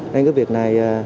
nên cái việc này